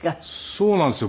そうなんですよ。